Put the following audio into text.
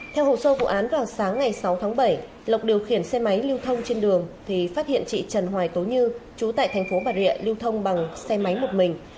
theo hồ sơ vụ án vào sáng ngày sáu tháng bảy lộc điều khiển xe máy lưu thông trên đường thì phát hiện chị trần hoài tố như chú tại thành phố bà rịa lưu thông bằng xe máy một mình